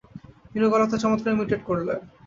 নীলুর গলা তো চমৎকার ইমিটেট করলে।